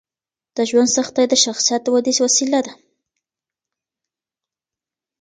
د ژوند سختۍ د شخصیت ودې وسیله ده.